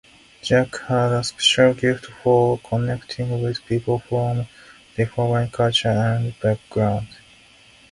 Jack had a special gift for connecting with people from different cultures and backgrounds.